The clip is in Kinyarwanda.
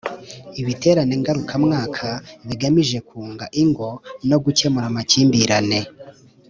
ibiterane ngarukamwaka bigamije kunga ingo no gukemura amakimbirane